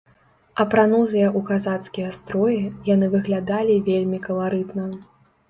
Апранутыя ў казацкія строі, яны выглядалі вельмі каларытна.